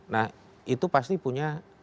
nah itu pasti punya